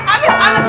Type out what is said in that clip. aduh aduh aduh aduh